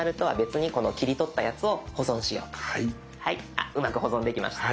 あっうまく保存できました。